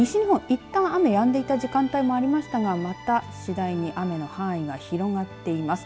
いったん雨止んでいた時間帯もありましたがまた次第に雨の範囲が広がっています。